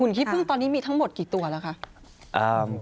ขี้พึ่งตอนนี้มีทั้งหมดกี่ตัวแล้วคะ